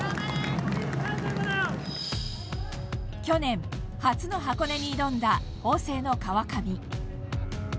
去年、初の箱根に挑んだ法政の川上。